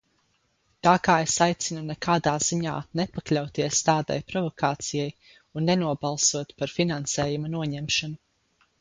Tā ka es aicinu nekādā ziņā nepakļauties tādai provokācijai un nenobalsot par finansējuma noņemšanu.